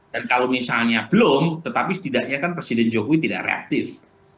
dan kalau misalnya belum tetapi setidaknya kan presiden jokowi tidak reaktif